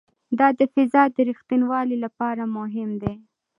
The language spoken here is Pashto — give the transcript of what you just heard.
دا د فضا د ریښتینولي لپاره مهم دی.